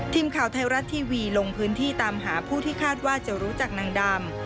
ทีมข่าวไทยรัฐทีวีลงพื้นที่ตามหาผู้ที่คาดว่าจะรู้จักนางดำ